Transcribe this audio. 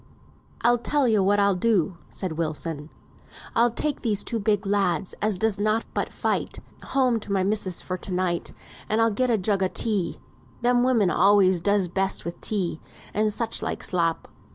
"I'll tell yo what I'll do," said Wilson. "I'll take these two big lads, as does nought but fight, home to my missis's for to night, and I'll get a jug o' tea. Them women always does best with tea and such like slop."